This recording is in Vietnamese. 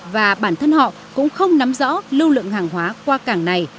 và bản thân họ cũng không nắm rõ lưu lượng hàng hóa qua cảng này